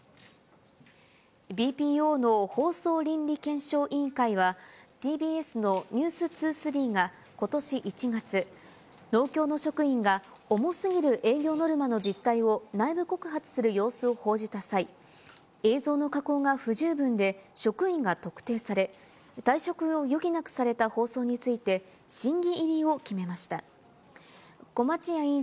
ＢＰＯの放送検証倫理委員会は、ＴＢＳのｎｅｗｓ２３がことし１月、農協の職員が重すぎる営業ノルマの実態を内部告発する様子を報じた際、映像の加工が不十分で、職員が特定され、退職を余儀なくされた放送について審議入りを決めました。